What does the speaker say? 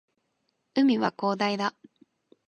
海は広大だ